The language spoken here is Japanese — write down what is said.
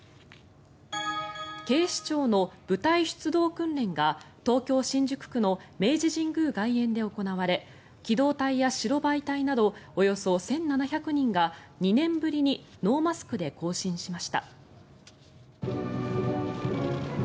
警視庁の部隊出動訓練が東京・新宿区の明治神宮外苑で行われ機動隊や白バイ隊などおよそ１７００人が２年ぶりにノーマスクで行進しました。